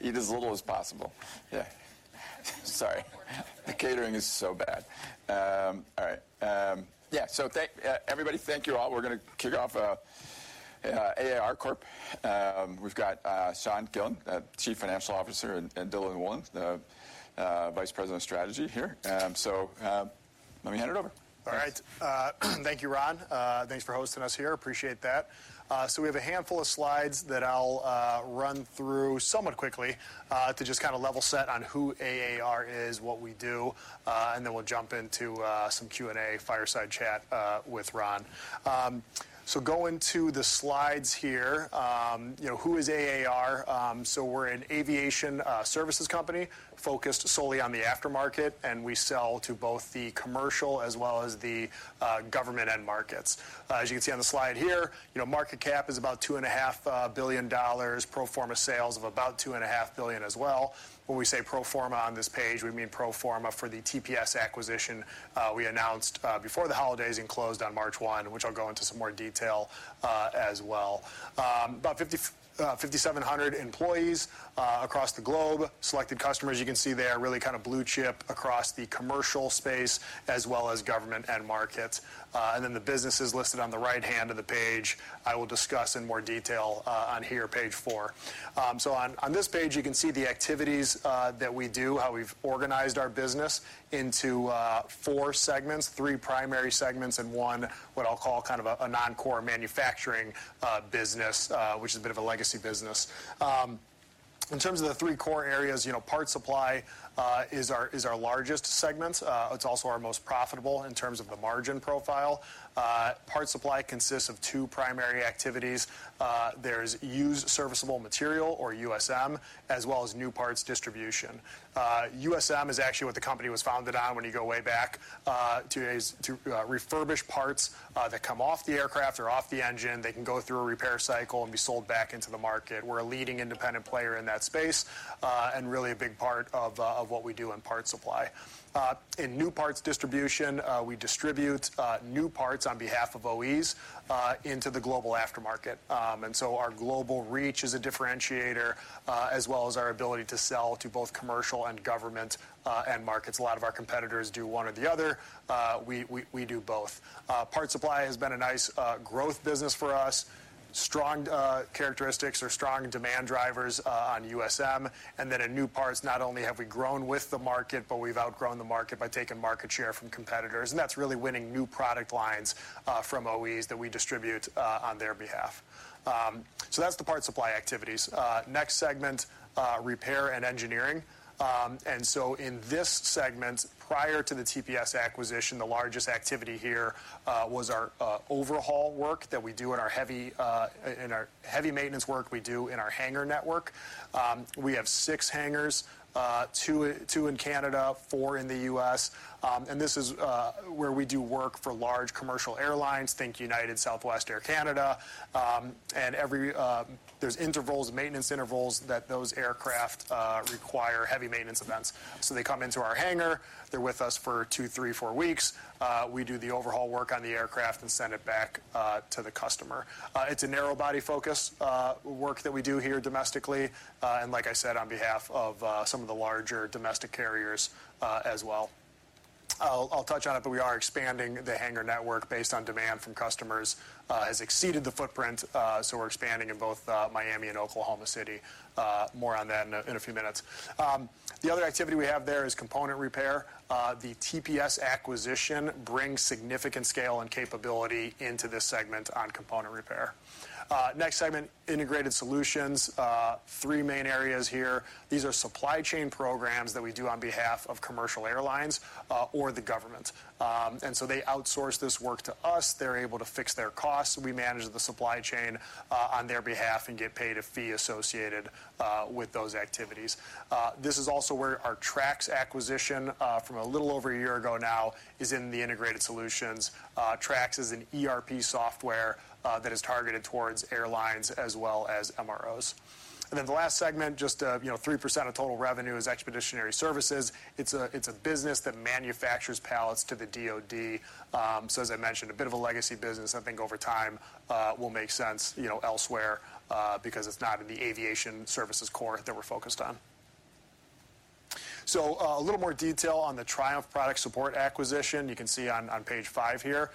Eat as little as possible. Yeah. Sorry, the catering is so bad. All right, yeah, so thank everybody, thank you all. We're gonna kick off AAR Corp. We've got Sean Gillen, Chief Financial Officer, and Dylan Wolin, the Vice President of Strategy here. So, let me hand it over. All right. Thank you, Ron. Thanks for hosting us here. Appreciate that. So we have a handful of slides that I'll run through somewhat quickly, to just kind of level set on who AAR is, what we do, and then we'll jump into some Q&A fireside chat with Ron. So going to the slides here, you know, who is AAR? So we're an aviation services company focused solely on the aftermarket, and we sell to both the commercial as well as the government end markets. As you can see on the slide here, you know, market cap is about $2.5 billion, pro forma sales of about $2.5 billion as well. When we say pro forma on this page, we mean pro forma for the TPS acquisition we announced before the holidays and closed on March 1, which I'll go into some more detail as well. About 5,700 employees across the globe. Selected customers, you can see there, really kind of blue chip across the commercial space as well as government end markets. And then the businesses listed on the right-hand of the page, I will discuss in more detail on here, page 4. So on this page, you can see the activities that we do, how we've organized our business into four segments, three primary segments and one, what I'll call kind of a non-core manufacturing business, which is a bit of a legacy business. In terms of the three core areas, you know, Parts Supply is our largest segment. It's also our most profitable in terms of the margin profile. Part supply consists of two primary activities. There's used serviceable material, or U.S.M, as well as new parts distribution. U.S.M is actually what the company was founded on when you go way back to refurbished parts that come off the aircraft or off the engine. They can go through a repair cycle and be sold back into the market. We're a leading independent player in that space and really a big part of what we do in Parts Supply. In new parts distribution, we distribute new parts on behalf of OEs into the global aftermarket. And so our global reach is a differentiator, as well as our ability to sell to both commercial and government end markets. A lot of our competitors do one or the other. We, we, we do both. Parts Supply has been a nice growth business for us. Strong characteristics or strong demand drivers on U.S.M, and then in new parts, not only have we grown with the market, but we've outgrown the market by taking market share from competitors, and that's really winning new product lines from OEs that we distribute on their behalf. So that's the Parts Supply activities. Next segment, Repair and Engineering. And so in this segment, prior to the TPS acquisition, the largest activity here was our overhaul work that we do in our heavy maintenance work we do in our hangar network. We have 6 hangars, 2 in Canada, 4 in the U.S., and this is where we do work for large commercial airlines. Think United, Southwest, Air Canada, and every... There are maintenance intervals that those aircraft require heavy maintenance events. So they come into our hangar. They're with us for 2, 3, 4 weeks. We do the overhaul work on the aircraft and send it back to the customer. It's a narrow body focus work that we do here domestically, and like I said, on behalf of some of the larger domestic carriers, as well. I'll touch on it, but we are expanding the hangar network based on demand from customers has exceeded the footprint, so we're expanding in both Miami and Oklahoma City. More on that in a few minutes. The other activity we have there is component repair. The TPS acquisition brings significant scale and capability into this segment on component repair. Next segment, Integrated Solutions. Three main areas here. These are supply chain programs that we do on behalf of commercial airlines or the government. And so they outsource this work to us. They're able to fix their costs. We manage the supply chain on their behalf and get paid a fee associated with those activities. This is also where our Trax acquisition, from a little over a year ago now, is in the Integrated Solutions. Trax is an ERP software, that is targeted towards airlines as well as MROs. And then the last segment, just, you know, 3% of total revenue is Expeditionary Services. It's a, it's a business that manufactures pallets to the DoD. So as I mentioned, a bit of a legacy business, I think over time, will make sense, you know, elsewhere, because it's not in the aviation services core that we're focused on. So, a little more detail on the Triumph Product Support acquisition you can see on, on page 5 here.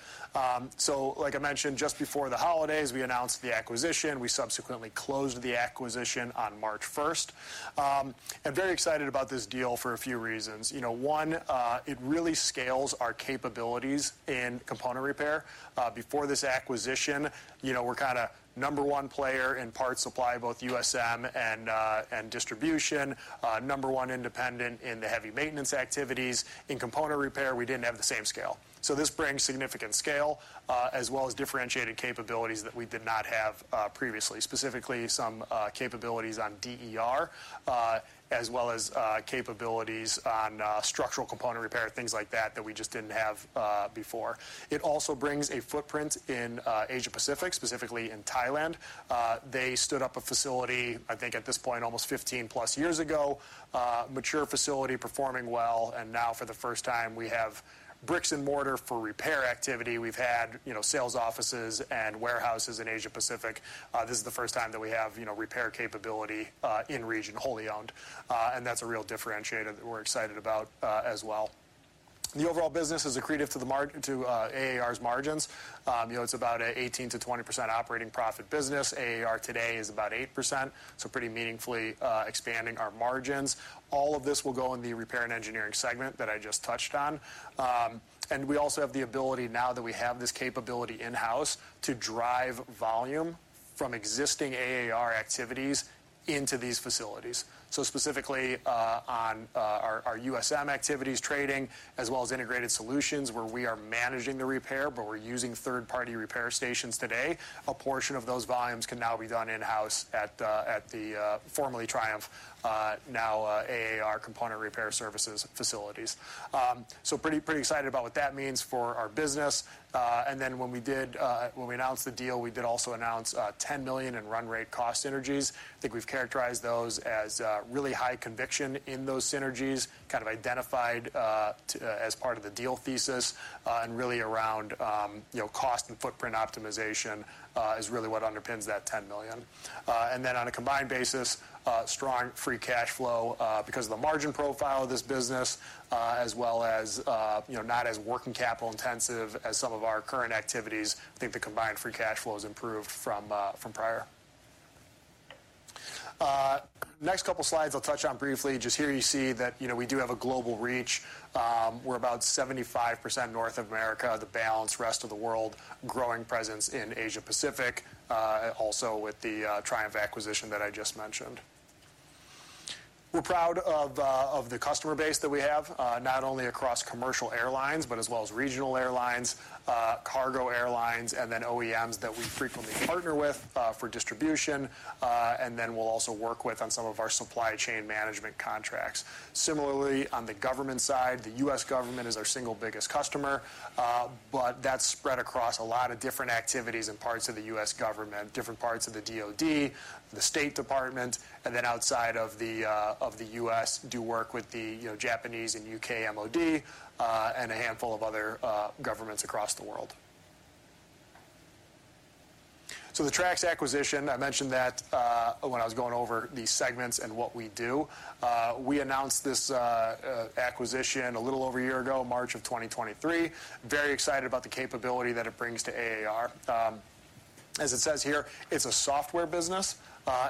So like I mentioned, just before the holidays, we announced the acquisition. We subsequently closed the acquisition on March 1st. I'm very excited about this deal for a few reasons. You know, one, it really scales our capabilities in component repair. Before this acquisition, you know, we're kind of number one player in parts supply, both U.S.M and distribution. Number one independent in the heavy maintenance activities. In component repair, we didn't have the same scale. So this brings significant scale, as well as differentiated capabilities that we did not have, previously, specifically some capabilities on DER, as well as capabilities on structural component repair, things like that, that we just didn't have, before. It also brings a footprint in Asia Pacific, specifically in Thailand. They stood up a facility, I think at this point, almost 15+ years ago. Mature facility, performing well, and now for the first time, we have bricks and mortar for repair activity. We've had, you know, sales offices and warehouses in Asia Pacific. This is the first time that we have, you know, repair capability in region, wholly owned, and that's a real differentiator that we're excited about, as well. The overall business is accretive to AAR's margins. You know, it's about 18%-20% operating profit business. AAR today is about 8%, so pretty meaningfully expanding our margins. All of this will go in the repair and engineering segment that I just touched on. And we also have the ability, now that we have this capability in-house, to drive volume from existing AAR activities into these facilities. So specifically, on our U.S.M activities trading, as well as Integrated Solutions, where we are managing the repair, but we're using third-party repair stations today. A portion of those volumes can now be done in-house at the formerly Triumph, now AAR Component Repair Services facilities. So pretty excited about what that means for our business. And then when we announced the deal, we did also announce $10 million in run rate cost synergies. I think we've characterized those as really high conviction in those synergies, kind of identified as part of the deal thesis, and really around, you know, cost and footprint optimization is really what underpins that $10 million. And then on a combined basis, strong free cash flow because of the margin profile of this business, as well as, you know, not as working capital intensive as some of our current activities. I think the combined free cash flow has improved from prior. Next couple slides I'll touch on briefly. Just here you see that, you know, we do have a global reach. We're about 75% North America, the balance, rest of the world, growing presence in Asia Pacific, also with the, Triumph acquisition that I just mentioned. We're proud of the customer base that we have, not only across commercial airlines, but as well as regional airlines, cargo airlines, and then OEMs that we frequently partner with for distribution, and then we'll also work with on some of our supply chain management contracts. Similarly, on the government side, the U.S. government is our single biggest customer, but that's spread across a lot of different activities and parts of the U.S. government, different parts of the DoD, the State Department, and then outside of the U.S., do work with the, you know, Japanese and U.K. MOD, and a handful of other governments across the world. So the Trax acquisition, I mentioned that, when I was going over the segments and what we do. We announced this acquisition a little over a year ago, March of 2023. Very excited about the capability that it brings to AAR. As it says here, it's a software business,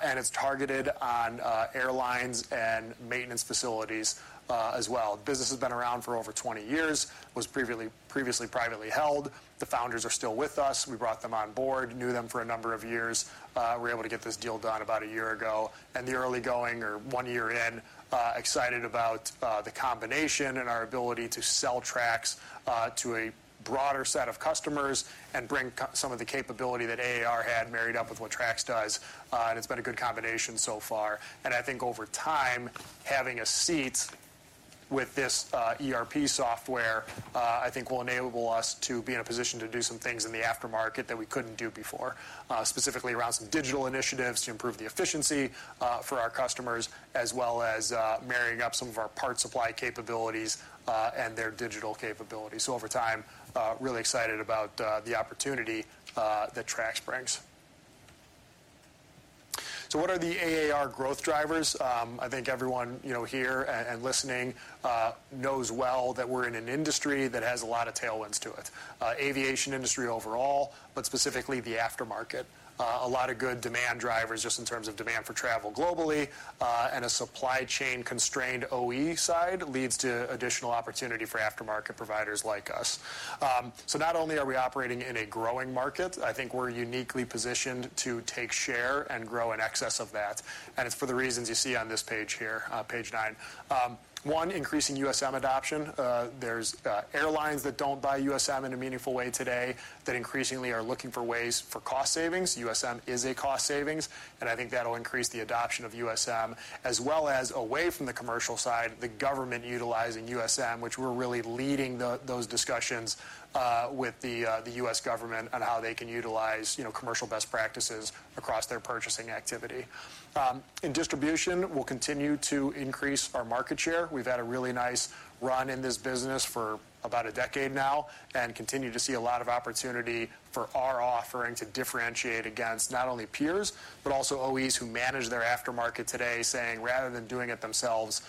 and it's targeted on airlines and maintenance facilities, as well. Business has been around for over 20 years, was previously privately held. The founders are still with us. We brought them on board, knew them for a number of years. We were able to get this deal done about a year ago, and the early going or one year in, excited about the combination and our ability to sell Trax to a broader set of customers and bring some of the capability that AAR had married up with what Trax does. And it's been a good combination so far. I think over time, having a seat with this ERP software, I think will enable us to be in a position to do some things in the aftermarket that we couldn't do before, specifically around some digital initiatives to improve the efficiency for our customers, as well as marrying up some of our parts supply capabilities and their digital capabilities. So over time, really excited about the opportunity that Trax brings. So what are the AAR growth drivers? I think everyone, you know, here and listening knows well that we're in an industry that has a lot of tailwinds to it. Aviation industry overall, but specifically the aftermarket. A lot of good demand drivers just in terms of demand for travel globally, and a supply chain-constrained OE side leads to additional opportunity for aftermarket providers like us. So not only are we operating in a growing market, I think we're uniquely positioned to take share and grow in excess of that. And it's for the reasons you see on this page here, page nine. One, increasing U.S.M adoption. There's airlines that don't buy U.S.M in a meaningful way today that increasingly are looking for ways for cost savings. U.S.M is a cost savings, and I think that'll increase the adoption of U.S.M, as well as away from the commercial side, the government utilizing U.S.M, which we're really leading those discussions with the U.S. government on how they can utilize, you know, commercial best practices across their purchasing activity. In distribution, we'll continue to increase our market share. We've had a really nice run in this business for about a decade now and continue to see a lot of opportunity for our offering to differentiate against not only peers, but also OEs who manage their aftermarket today, saying, rather than doing it themselves,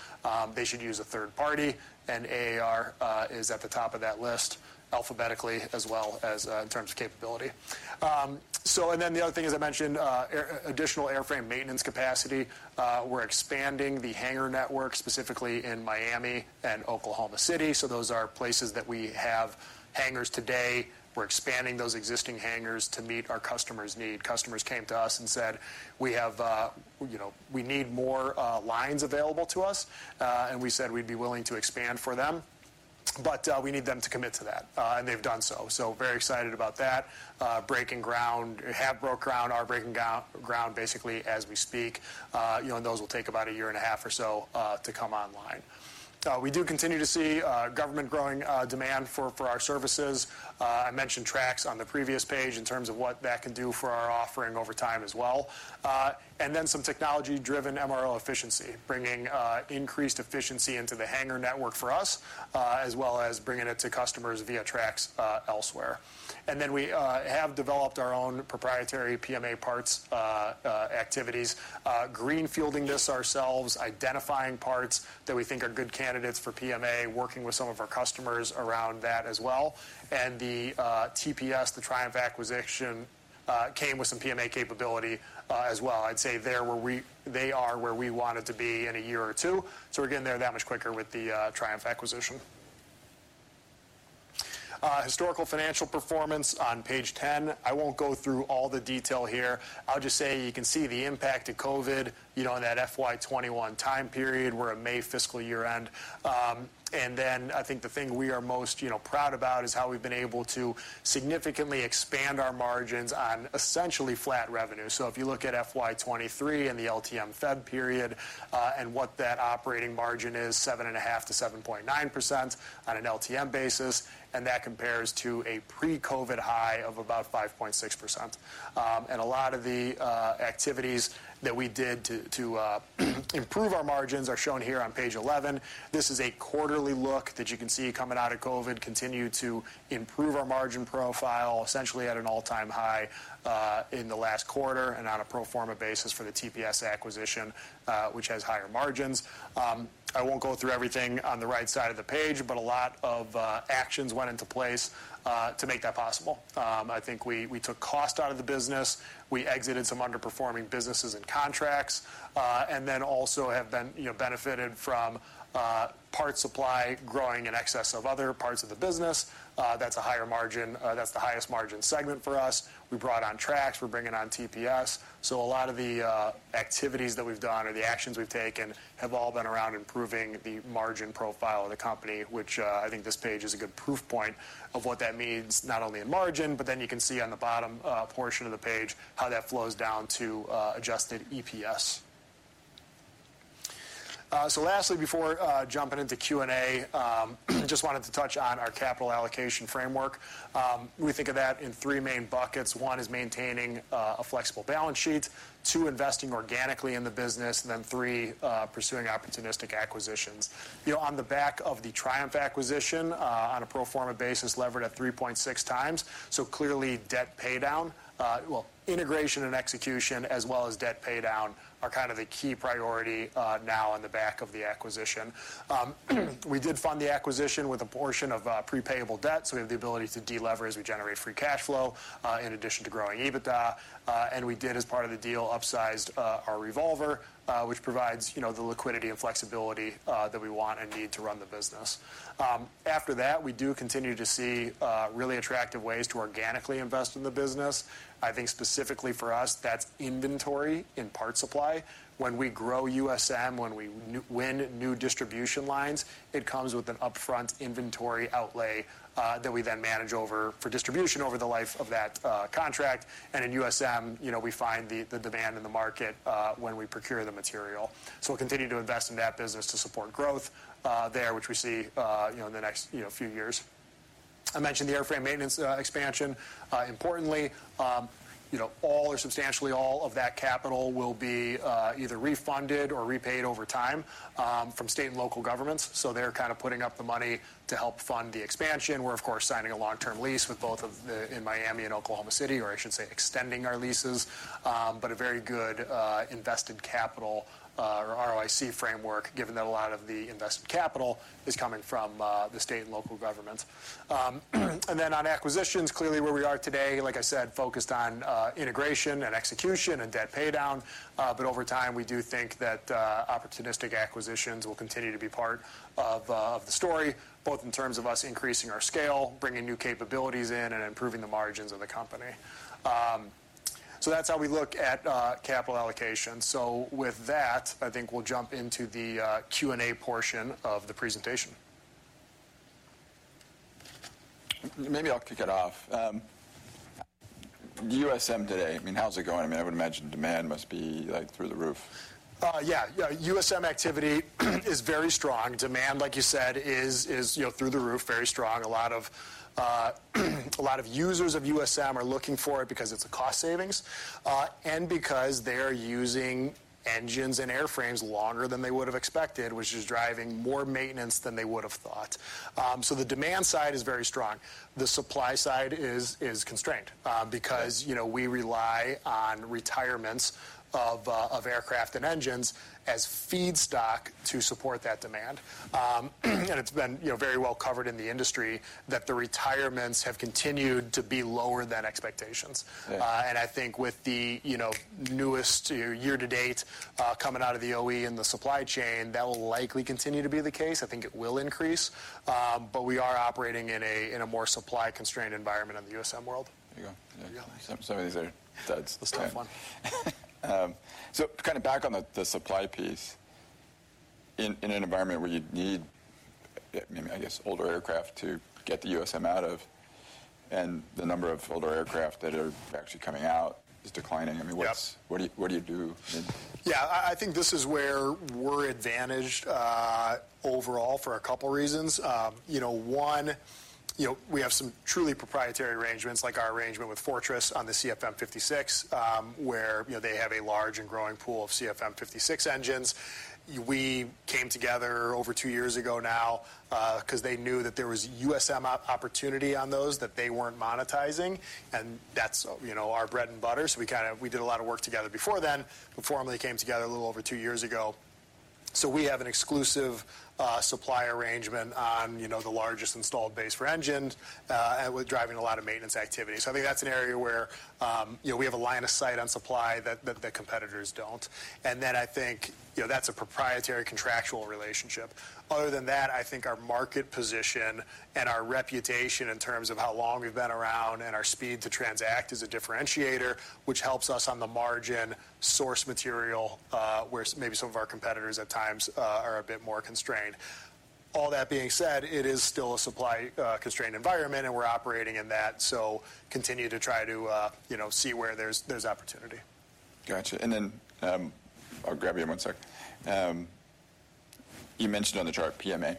they should use a third party, and AAR is at the top of that list, alphabetically, as well as in terms of capability. So and then the other thing, as I mentioned, additional airframe maintenance capacity. We're expanding the hangar network, specifically in Miami and Oklahoma City. So those are places that we have hangars today. We're expanding those existing hangars to meet our customers' need. Customers came to us and said, "We have, you know, we need more lines available to us." And we said we'd be willing to expand for them, but we need them to commit to that, and they've done so. So very excited about that. Breaking ground, basically, as we speak. You know, and those will take about a year and a half or so to come online. We do continue to see government growing demand for our services. I mentioned Trax on the previous page in terms of what that can do for our offering over time as well. And then some technology-driven MRO efficiency, bringing increased efficiency into the hangar network for us, as well as bringing it to customers via Trax elsewhere. And then we have developed our own proprietary PMA parts activities, greenfielding this ourselves, identifying parts that we think are good candidates for PMA, working with some of our customers around that as well. And the TPS, the Triumph acquisition came with some PMA capability, as well. I'd say there where they are where we wanted to be in a year or two, so we're getting there that much quicker with the Triumph acquisition. Historical financial performance on page 10. I won't go through all the detail here. I'll just say you can see the impact of COVID, you know, in that FY 2021 time period. We're a May fiscal year end. And then I think the thing we are most, you know, proud about is how we've been able to significantly expand our margins on essentially flat revenue. So if you look at FY 2023 and the LTM Feb period, and what that operating margin is, 7.5%-7.9% on an LTM basis, and that compares to a pre-COVID high of about 5.6%. And a lot of the activities that we did to improve our margins are shown here on page 11. This is a quarterly look that you can see coming out of COVID, continued to improve our margin profile, essentially at an all-time high, in the last quarter, and on a pro forma basis for the TPS acquisition, which has higher margins. I won't go through everything on the right side of the page, but a lot of actions went into place to make that possible. I think we took cost out of the business. We exited some underperforming businesses and contracts, and then also have been, you know, benefited from, Parts Supply growing in excess of other parts of the business. That's a higher margin, that's the highest margin segment for us. We brought on Trax. We're bringing on TPS. So a lot of the activities that we've done or the actions we've taken have all been around improving the margin profile of the company, which I think this page is a good proof point of what that means, not only in margin, but then you can see on the bottom portion of the page how that flows down to adjusted EPS. So lastly, before jumping into Q&A, just wanted to touch on our capital allocation framework. We think of that in three main buckets. One is maintaining a flexible balance sheet, two, investing organically in the business, and then three, pursuing opportunistic acquisitions. You know, on the back of the Triumph acquisition, on a pro forma basis, levered at 3.6 times, so clearly debt paydown. Well, integration and execution, as well as debt paydown, are kind of the key priority now on the back of the acquisition. We did fund the acquisition with a portion of prepayable debt, so we have the ability to delever as we generate free cash flow in addition to growing EBITDA. And we did, as part of the deal, upsized our revolver, which provides, you know, the liquidity and flexibility that we want and need to run the business. After that, we do continue to see really attractive ways to organically invest in the business. I think specifically for us, that's inventory in Parts Supply. When we grow U.S.M, when we win new distribution lines, it comes with an upfront inventory outlay that we then manage for distribution over the life of that contract. In U.S.M, you know, we find the demand in the market when we procure the material. So we'll continue to invest in that business to support growth there, which we see, you know, in the next few years. I mentioned the airframe maintenance expansion. Importantly, you know, all or substantially all of that capital will be either refunded or repaid over time from state and local governments. So they're kind of putting up the money to help fund the expansion. We're of course signing a long-term lease with both in Miami and Oklahoma City, or I should say, extending our leases. But a very good invested capital ROIC framework, given that a lot of the invested capital is coming from the state and local governments. And then on acquisitions, clearly where we are today, like I said, focused on integration and execution and debt paydown. But over time, we do think that opportunistic acquisitions will continue to be part of the story, both in terms of us increasing our scale, bringing new capabilities in, and improving the margins of the company. So that's how we look at capital allocation. So with that, I think we'll jump into the Q&A portion of the presentation. Maybe I'll kick it off. U.S.M today, I mean, how's it going? I mean, I would imagine demand must be, like, through the roof. Yeah. Yeah, U.S.M activity is very strong. Demand, like you said, is, you know, through the roof, very strong. A lot of, a lot of users of U.S.M are looking for it because it's a cost savings, and because they're using engines and airframes longer than they would have expected, which is driving more maintenance than they would have thought. So the demand side is very strong. The supply side is constrained, because, you know, we rely on retirements of, of aircraft and engines as feedstock to support that demand. And it's been, you know, very well covered in the industry that the retirements have continued to be lower than expectations. Yeah. I think with the, you know, newest year to date, coming out of the OE and the supply chain, that will likely continue to be the case. I think it will increase, but we are operating in a more supply-constrained environment in the U.S.M world. There you go. There you go. Some of these are tough. It's a tough one. So kind of back on the supply piece, in an environment where you'd need maybe I guess older aircraft to get the U.S.M out of, and the number of older aircraft that are actually coming out is declining. I mean, what's- Yep. What do you do? I mean... Yeah, I think this is where we're advantaged overall for a couple reasons. You know, one, you know, we have some truly proprietary arrangements, like our arrangement with Fortress on the CFM56, where, you know, they have a large and growing pool of CFM56 engines. We came together over two years ago now, 'cause they knew that there was U.S.M opportunity on those that they weren't monetizing, and that's, you know, our bread and butter. So we kind of... We did a lot of work together before then, but formally came together a little over two years ago.... So we have an exclusive supply arrangement on, you know, the largest installed base for engines, and we're driving a lot of maintenance activity. So I think that's an area where, you know, we have a line of sight on supply that competitors don't. And then I think, you know, that's a proprietary contractual relationship. Other than that, I think our market position and our reputation in terms of how long we've been around and our speed to transact is a differentiator, which helps us on the margin source material, where maybe some of our competitors at times are a bit more constrained. All that being said, it is still a supply constrained environment, and we're operating in that, so continue to try to, you know, see where there's opportunity. Gotcha. And then, I'll grab you in one sec. You mentioned on the chart PMA.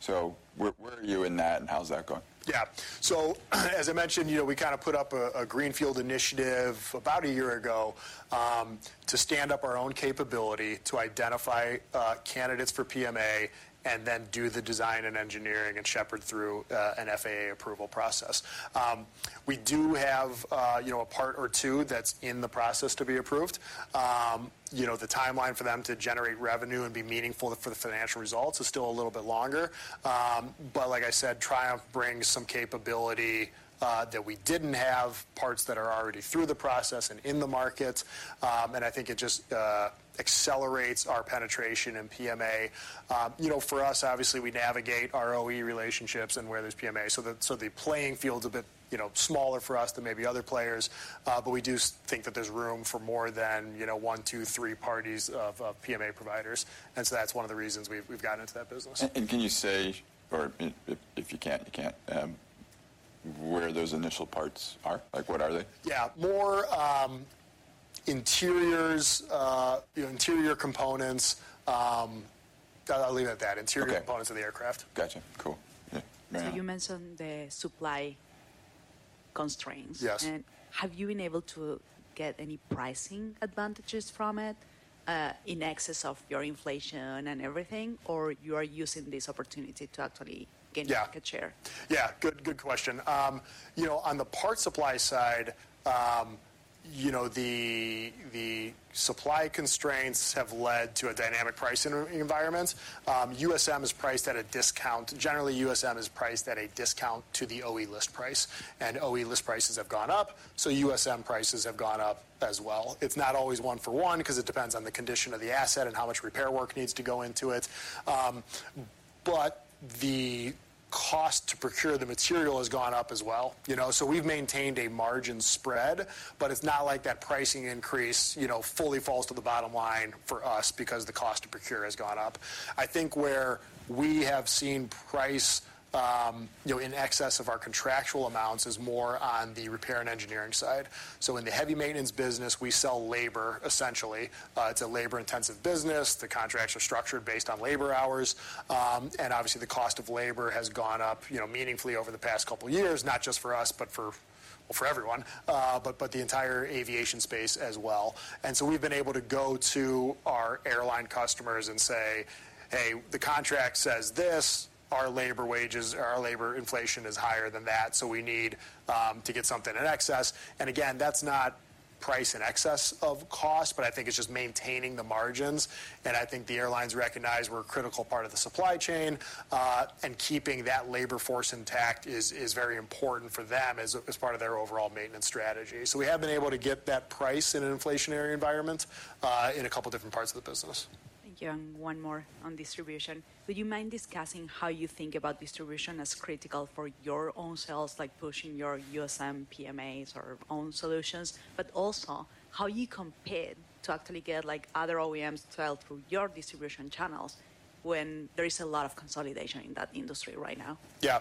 So where, where are you in that, and how's that going? Yeah. So as I mentioned, you know, we kinda put up a greenfield initiative about a year ago, to stand up our own capability to identify candidates for PMA and then do the design and engineering and shepherd through an FAA approval process. We do have, you know, a part or two that's in the process to be approved. You know, the timeline for them to generate revenue and be meaningful for the financial results is still a little bit longer. But like I said, Triumph brings some capability that we didn't have, parts that are already through the process and in the market. And I think it just accelerates our penetration in PMA. You know, for us, obviously, we navigate our OE relationships and where there's PMA, so the playing field's a bit, you know, smaller for us than maybe other players. But we do think that there's room for more than, you know, one, two, three parties of PMA providers, and so that's one of the reasons we've gotten into that business. Can you say, or if you can't, where those initial parts are? Like, what are they? Yeah. More interiors, you know, interior components. I'll leave it at that. Okay... interior components of the aircraft. Gotcha. Cool. Yeah. You mentioned the supply constraints. Yes. Have you been able to get any pricing advantages from it, in excess of your inflation and everything, or you are using this opportunity to actually- Yeah... gain market share? Yeah, good, good question. You know, on the parts supply side, you know, the supply constraints have led to a dynamic pricing environment. U.S.M is priced at a discount. Generally, U.S.M is priced at a discount to the OE list price, and OE list prices have gone up, so U.S.M prices have gone up as well. It's not always one for one, 'cause it depends on the condition of the asset and how much repair work needs to go into it. But the cost to procure the material has gone up as well, you know, so we've maintained a margin spread, but it's not like that pricing increase, you know, fully falls to the bottom line for us because the cost to procure has gone up. I think where we have seen price, you know, in excess of our contractual amounts is more on the repair and engineering side. So in the heavy maintenance business, we sell labor, essentially. It's a labor-intensive business. The contracts are structured based on labor hours. And obviously, the cost of labor has gone up, you know, meaningfully over the past couple of years, not just for us, but for, well, for everyone, but the entire aviation space as well. And so we've been able to go to our airline customers and say, "Hey, the contract says this, our labor wages or our labor inflation is higher than that, so we need to get something in excess." And again, that's not price in excess of cost, but I think it's just maintaining the margins. And I think the airlines recognize we're a critical part of the supply chain, and keeping that labor force intact is very important for them as part of their overall maintenance strategy. So we have been able to get that price in an inflationary environment, in a couple different parts of the business. Thank you, and one more on distribution. Would you mind discussing how you think about distribution as critical for your own sales, like pushing your U.S.M, PMAs, or own solutions, but also how you compare to actually get, like, other OEMs sold through your distribution channels when there is a lot of consolidation in that industry right now? Yeah.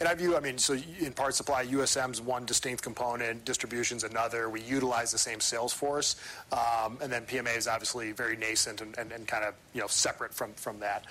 In our view, I mean, so in parts supply, U.S.M's one distinct component, distribution's another. We utilize the same sales force, and then PMA is obviously very nascent and, and, and kind of, you know, separate from, from that.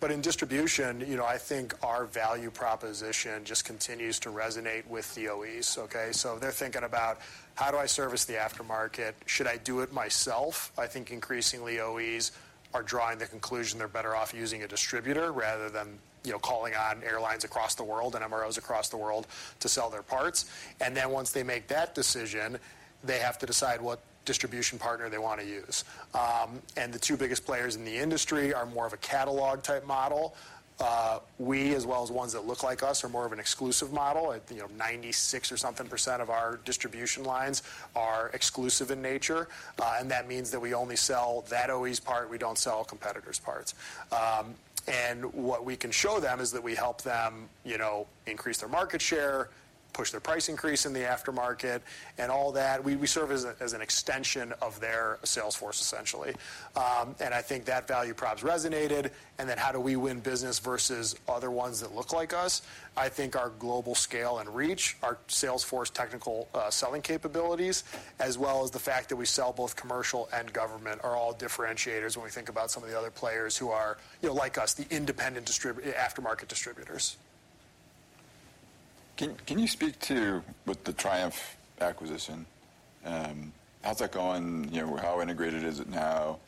But in distribution, you know, I think our value proposition just continues to resonate with the OEs, okay? So they're thinking about: How do I service the aftermarket? Should I do it myself? I think increasingly, OEs are drawing the conclusion they're better off using a distributor, rather than, you know, calling on airlines across the world and MROs across the world to sell their parts. And then, once they make that decision, they have to decide what distribution partner they want to use. And the two biggest players in the industry are more of a catalog-type model. We, as well as ones that look like us, are more of an exclusive model. I think, you know, 96% or something of our distribution lines are exclusive in nature, and that means that we only sell that OE's part. We don't sell competitors' parts. And what we can show them is that we help them, you know, increase their market share, push their price increase in the aftermarket, and all that. We, we serve as a, as an extension of their sales force, essentially. And I think that value prop's resonated. And then, how do we win business versus other ones that look like us? I think our global scale and reach, our sales force technical selling capabilities, as well as the fact that we sell both commercial and government, are all differentiators when we think about some of the other players who are, you know, like us, the independent aftermarket distributors. ... Can you speak to, with the Triumph acquisition, how's that going? You know, how integrated is it now?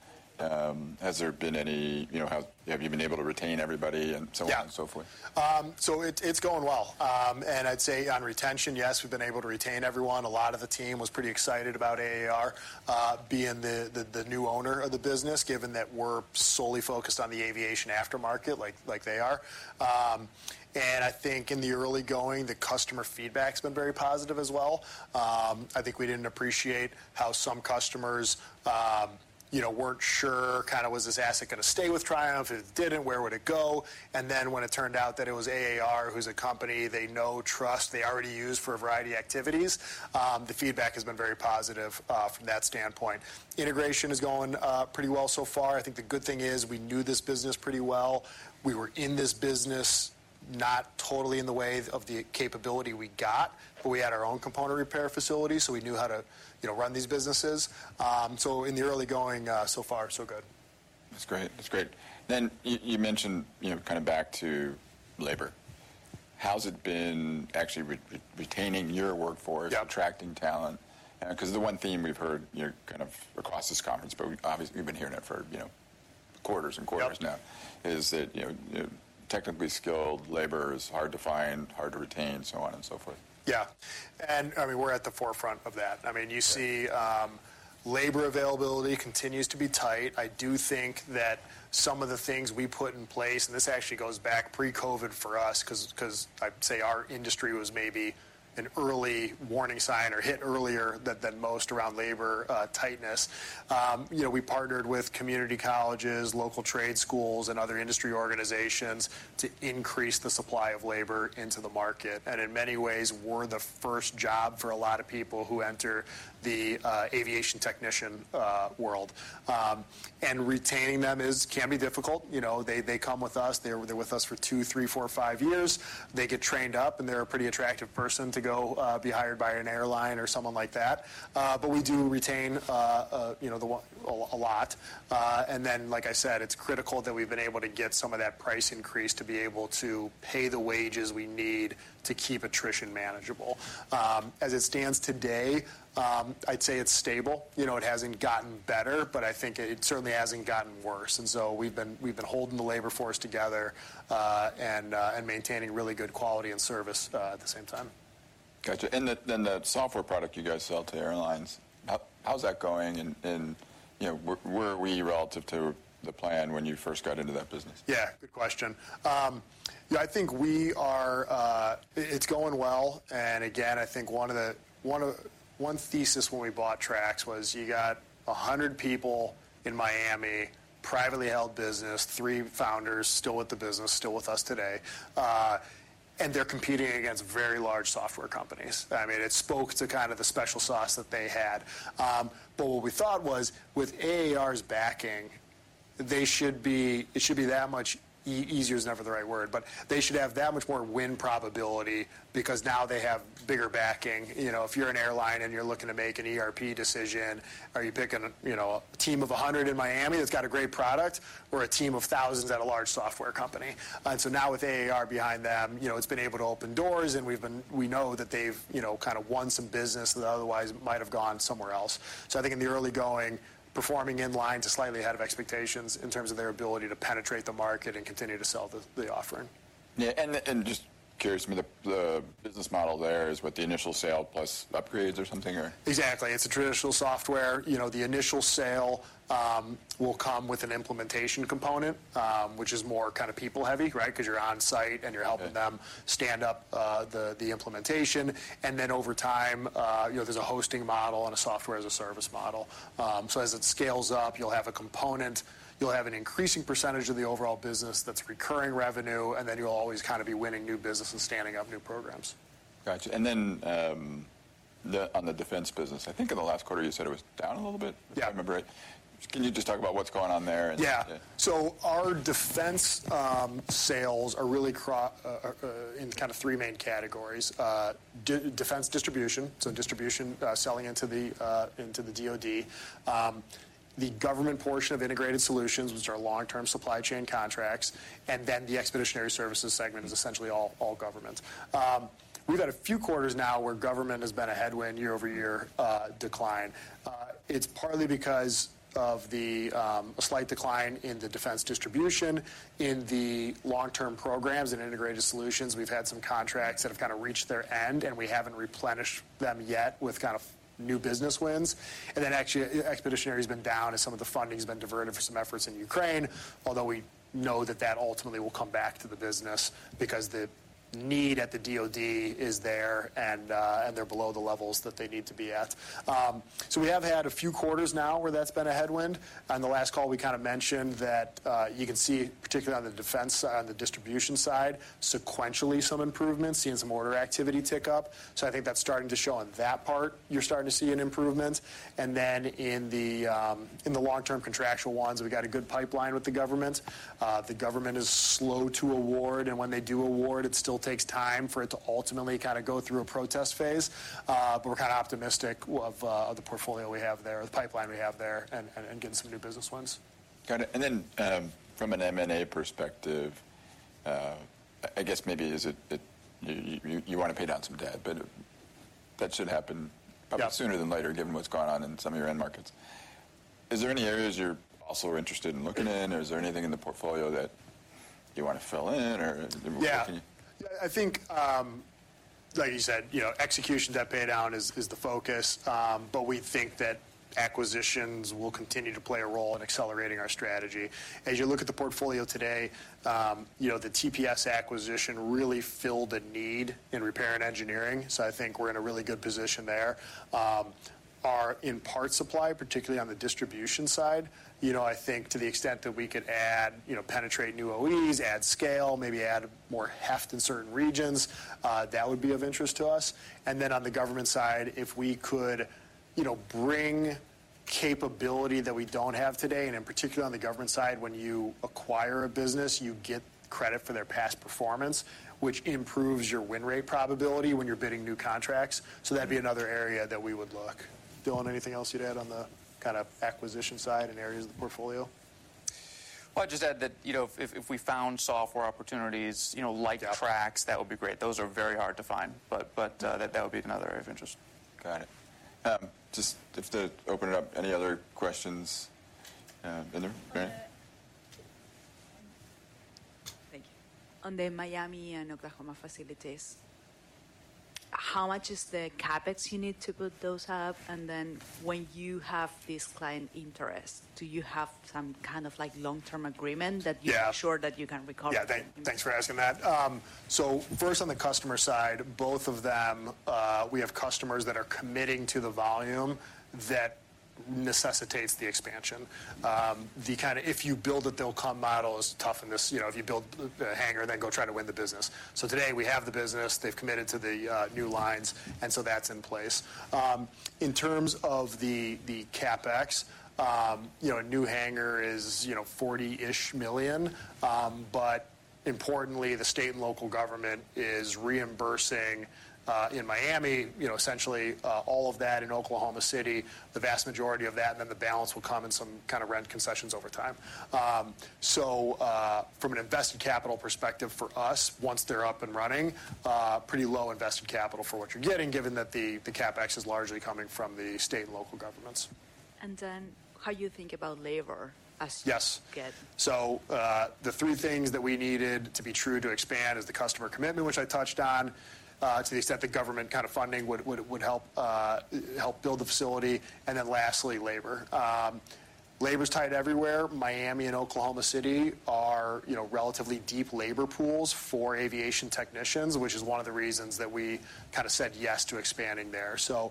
Has there been any, you know, have you been able to retain everybody, and so on- Yeah... and so forth? It's going well. And I'd say on retention, yes, we've been able to retain everyone. A lot of the team was pretty excited about AAR being the new owner of the business, given that we're solely focused on the aviation aftermarket, like they are. And I think in the early going, the customer feedback's been very positive as well. I think we didn't appreciate how some customers, you know, weren't sure, kinda, was this asset gonna stay with Triumph? If it didn't, where would it go? And then when it turned out that it was AAR, who's a company they know, trust, they already use for a variety of activities, the feedback has been very positive from that standpoint. Integration is going pretty well so far. I think the good thing is we knew this business pretty well. We were in this business, not totally in the way of the capability we got, but we had our own component repair facility, so we knew how to, you know, run these businesses. So in the early going, so far, so good. That's great. That's great. Then you mentioned, you know, kinda back to labor, how's it been actually retaining your workforce- Yeah... attracting talent? 'Cause the one theme we've heard, you know, kind of across this conference, but we've obviously, we've been hearing it for, you know, quarters and quarters now- Yep... is that, you know, technically skilled labor is hard to find, hard to retain, so on and so forth. Yeah, and, I mean, we're at the forefront of that. I mean, you see- Right... labor availability continues to be tight. I do think that some of the things we put in place, and this actually goes back pre-COVID for us, 'cause I'd say our industry was maybe an early warning sign or hit earlier than most around labor tightness. You know, we partnered with community colleges, local trade schools, and other industry organizations to increase the supply of labor into the market, and in many ways, we're the first job for a lot of people who enter the aviation technician world. And retaining them can be difficult. You know, they come with us. They're with us for two, three, four, five years. They get trained up, and they're a pretty attractive person to go be hired by an airline or someone like that. But we do retain, you know, a lot. And then, like I said, it's critical that we've been able to get some of that price increase to be able to pay the wages we need to keep attrition manageable. As it stands today, I'd say it's stable. You know, it hasn't gotten better, but I think it certainly hasn't gotten worse, and so we've been holding the labor force together, and maintaining really good quality and service, at the same time. Gotcha, and the software product you guys sell to airlines, how's that going? And, you know, where are we relative to the plan when you first got into that business? Yeah, good question. Yeah, I think we are, it's going well, and again, I think one of the one thesis when we bought Trax was you got 100 people in Miami, privately held business, three founders still with the business, still with us today. And they're competing against very large software companies. I mean, it spoke to kind of the special sauce that they had. But what we thought was, with AAR's backing, they should be it should be that much, easier is never the right word, but they should have that much more win probability because now they have bigger backing. You know, if you're an airline and you're looking to make an ERP decision, are you picking a, you know, a team of 100 in Miami that's got a great product or a team of thousands at a large software company? And so now with AAR behind them, you know, it's been able to open doors, and we've been- we know that they've, you know, kinda won some business that otherwise might have gone somewhere else. So I think in the early going, performing in line to slightly ahead of expectations in terms of their ability to penetrate the market and continue to sell the, the offering. Yeah, and just curious, I mean, the business model there is what the initial sale plus upgrades or something, or? Exactly. It's a traditional software. You know, the initial sale will come with an implementation component, which is more kinda people heavy, right? 'Cause you're on site, and you're- Yeah... helping them stand up the implementation, and then over time, you know, there's a hosting model and a software-as-a-service model. So as it scales up, you'll have a component, you'll have an increasing percentage of the overall business that's recurring revenue, and then you'll always kinda be winning new business and standing up new programs. Gotcha, and then, on the defense business, I think in the last quarter you said it was down a little bit? Yeah. I remember it. Can you just talk about what's going on there and- Yeah... yeah. So our defense sales are really in kind of three main categories: defense distribution, so distribution, selling into the DoD, the government portion of Integrated Solutions, which are long-term supply chain contracts, and then the Expeditionary Services segment is essentially all government. We've had a few quarters now where government has been a headwind year-over-year decline. It's partly because of the slight decline in the defense distribution. In the long-term programs and Integrated Solutions, we've had some contracts that have kinda reached their end, and we haven't replenished them yet with kind of new business wins. And then Expeditionary's been down as some of the funding's been diverted for some efforts in Ukraine, although we know that that ultimately will come back to the business because the need at the DoD is there, and and they're below the levels that they need to be at. So we have had a few quarters now where that's been a headwind. On the last call, we kinda mentioned that, you can see, particularly on the defense side, on the distribution side, sequentially, some improvements, seeing some order activity tick up. So I think that's starting to show on that part, you're starting to see an improvement. And then in the long-term contractual ones, we've got a good pipeline with the government. The government is slow to award, and when they do award, it still takes time for it to ultimately kinda go through a protest phase. But we're kinda optimistic of the portfolio we have there, or the pipeline we have there, and getting some new business wins. Got it, and then, from an M&A perspective, I guess maybe is it, it... You, you wanna pay down some debt, but... That should happen- Yeah - probably sooner than later, given what's gone on in some of your end markets. Is there any areas you're also interested in looking in, or is there anything in the portfolio that you want to fill in, or- Yeah. Can you- I think, like you said, you know, execution, debt pay down is the focus. But we think that acquisitions will continue to play a role in accelerating our strategy. As you look at the portfolio today, you know, the TPS acquisition really filled a need in repair and engineering, so I think we're in a really good position there. Our Parts Supply, particularly on the distribution side, you know, I think to the extent that we could add, you know, penetrate new OEs, add scale, maybe add more heft in certain regions, that would be of interest to us. And then on the government side, if we could, you know, bring capability that we don't have today, and in particular, on the government side, when you acquire a business, you get credit for their past performance, which improves your win rate probability when you're bidding new contracts. Mm-hmm. So that'd be another area that we would look. Dylan, anything else you'd add on the kind of acquisition side and areas of the portfolio? Well, I'd just add that, you know, if we found software opportunities, you know- Yeah... like Trax, that would be great. Those are very hard to find, but, that would be another area of interest. Got it. Just to open it up, any other questions in there? Great. Thank you. On the Miami and Oklahoma facilities, how much is the CapEx you need to build those up? And then when you have this client interest, do you have some kind of, like, long-term agreement- Yeah... that you're sure that you can recover? Yeah, thanks for asking that. So first on the customer side, both of them, we have customers that are committing to the volume that necessitates the expansion. The kind of if you build it, they'll come model is tough in this, you know, if you build the hangar, then go try to win the business. So today, we have the business. They've committed to the new lines, and so that's in place. In terms of the CapEx, you know, a new hangar is $40-ish million. But importantly, the state and local government is reimbursing in Miami, you know, essentially all of that in Oklahoma City, the vast majority of that, and then the balance will come in some kind of rent concessions over time. So, from an invested capital perspective, for us, once they're up and running, pretty low invested capital for what you're getting, given that the CapEx is largely coming from the state and local governments. And then how you think about labor as- Yes - get? So, the three things that we needed to be true to expand is the customer commitment, which I touched on, to the extent that government kind of funding would help build the facility, and then lastly, labor. Labor's tight everywhere. Miami and Oklahoma City are, you know, relatively deep labor pools for aviation technicians, which is one of the reasons that we kind of said yes to expanding there. So,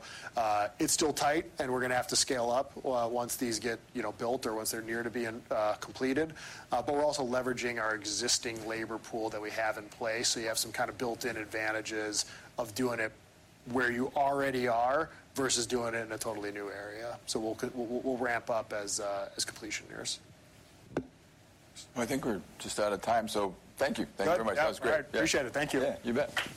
it's still tight, and we're gonna have to scale up, once these get, you know, built or once they're near to being, completed. But we're also leveraging our existing labor pool that we have in place, so you have some kind of built-in advantages of doing it where you already are versus doing it in a totally new area. So we'll ramp up as completion nears. I think we're just out of time, so thank you. Good. Thank you very much. That was great. All right, appreciate it. Thank you. Yeah, you bet.